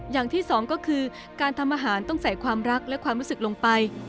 อย่างที่สองก็คือการทำอาหารต้องใส่ความรักและความรู้สึกลงไป